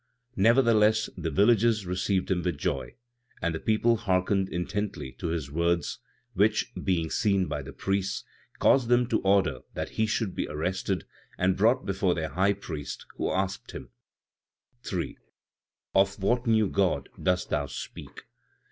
Nevertheless, the villages received him with joy, and the people hearkened intently to his words, which, being seen by the priests, caused them to order that he should be arrested and brought before their High Priest, who asked him: 3. "Of what new God dost thou speak?